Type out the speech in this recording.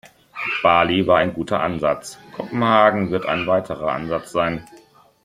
Bali war ein guter Ansatz, Kopenhagen wird ein weiterer Ansatz sein.